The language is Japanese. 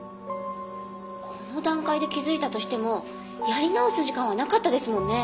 この段階で気づいたとしてもやり直す時間はなかったですもんね。